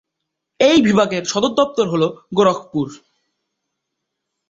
এই বিভাগের সদর শহর হল গোরখপুর।